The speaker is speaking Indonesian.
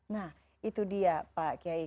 nah itu dia pak kiai